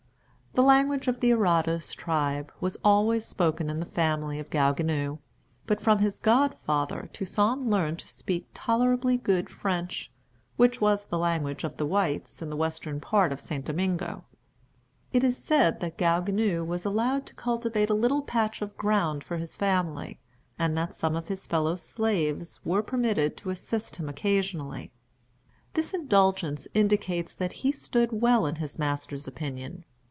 The language of the Arradas tribe was always spoken in the family of Gaou Guinou, but from his godfather Toussaint learned to speak tolerably good French, which was the language of the whites in the western part of St. Domingo. It is said that Gaou Guinou was allowed to cultivate a little patch of ground for his family, and that some of his fellow slaves were permitted to assist him occasionally. This indulgence indicates that he stood well in his master's opinion.